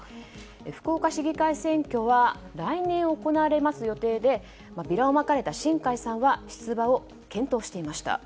福岡市議会選挙は来年行われる予定でビラをまかれた新開さんは出馬を検討していました。